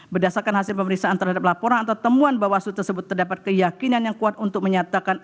berdasarkan hasil pemeriksaan terhadap laporan atau temuan bawaslu tersebut terdapat keyakinan yang kuat untuk menyatakan